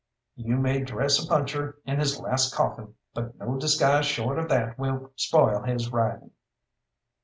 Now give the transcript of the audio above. You may dress a puncher in his last coffin, but no disguise short of that will spoil his riding.